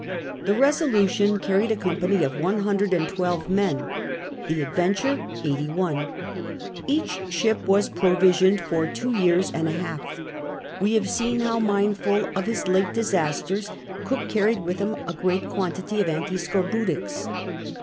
The Resolution carried a company of one hundred and twelve men, the Adventure VIII THE OUTFIT 93 eighty one. Each ship was provisioned for two years and a half. We have seen how, mindful of his late disasters, Cook carried with him a great quantity of antiscorbutics.